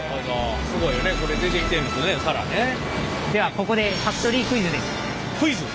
ではここでファクトリークイズです。